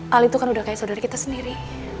hal itu kan udah kayak saudara kita sendiri